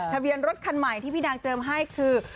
ทะเบียนรถคันใหม่ที่พี่นางเจิมให้คือ